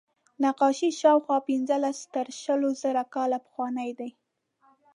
نقاشي شاوخوا پینځلس تر شلو زره کاله پخوانۍ ده.